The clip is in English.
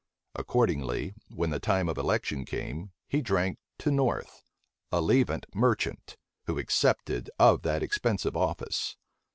Accordingly, when the time of election came, he drank to North, a Levant merchant, who accepted of that expensive office.